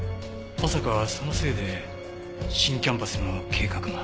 まさかそのせいで新キャンパスの計画が。